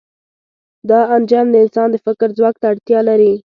دا انجن د انسان د فکر ځواک ته اړتیا لري.